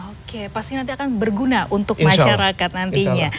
oke pasti nanti akan berguna untuk masyarakat nantinya